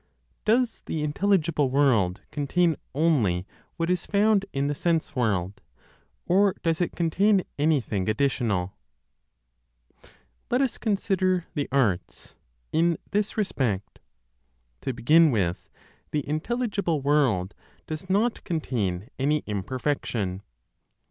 Does the intelligible world contain only what is found in the sense world, or does it contain anything additional?... Let us consider the arts, in this respect. To begin with, the intelligible world does not contain any imperfection.